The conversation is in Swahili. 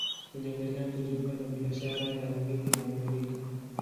Iliendelea kujiunga na biashara ya Uhindi na Amerika.